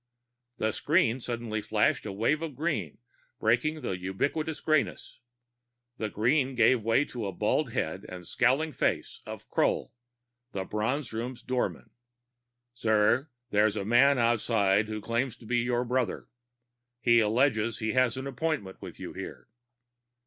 The screen suddenly flashed a wave of green, breaking the ubiquitous grayness. The green gave way to the bald head and scowling face of Kroll, the Bronze Room's door man. "Sir, there is a man outside who claims to be your brother. He alleges he has an appointment with you here."